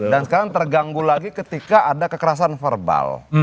dan sekarang terganggu lagi ketika ada kekerasan verbal